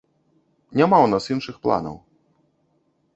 Няма ў нас іншых планаў.